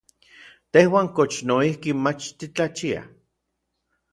¿Tejuan kox noijki mach titlachiaj?